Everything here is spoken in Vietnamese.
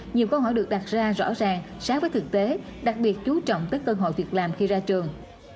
nhiều câu hỏi được đặt ra rõ ràng sát với thực tế đặc biệt chú trọng tới cơ hội việc làm khi ra trường